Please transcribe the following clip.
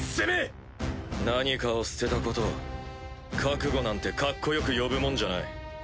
何かを捨てたことを覚悟なんてカッコよく呼ぶもんじゃない！